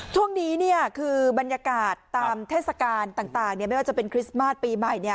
ช่วงนี้เนี่ยคือบรรยากาศตามเทศกาลต่างเนี่ยไม่ว่าจะเป็นคริสต์มาสปีใหม่เนี่ย